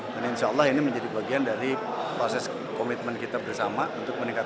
dan insya allah ini menjadi bagian dari proses komitmen kita bersama